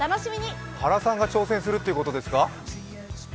原さんが挑戦するということですか？